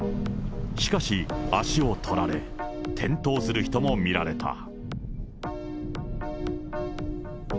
しかし、足を取られ、転倒する人も見られた。